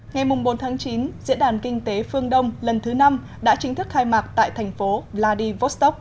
ngày bốn chín diễn đàn kinh tế phương đông lần thứ năm đã chính thức khai mạc tại thành phố vladivostok